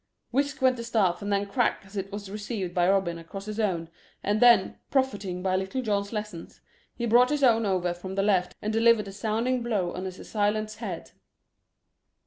Whisk went the staff and then crack as it was received by Robin across his own, and then, profiting by Little John's lessons, he brought his own over from the left and delivered a sounding blow on his assailant's head.